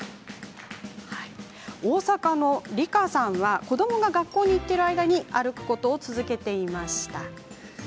大阪の、りかさんは子どもが学校に行っている間に歩くことを続けていました。